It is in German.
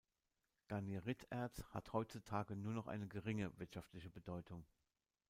Garnierit-Erz hat heutzutage nur noch eine geringe wirtschaftliche Bedeutung.